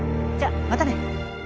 じゃまたね。